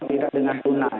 tidak dengan guna